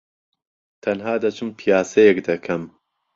تەنھا دەچم پیاسەیەک دەکەم.